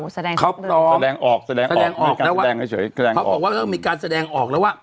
แสดงออกแสดงออกเขาบอกว่าเริ่มมีการแสดงออกแล้วว่า